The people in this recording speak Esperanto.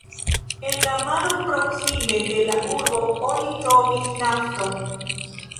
En la maro proksime de la urbo oni trovis nafton.